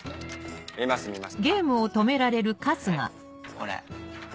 これ。